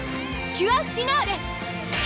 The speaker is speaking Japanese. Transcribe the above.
キュアフィナーレ！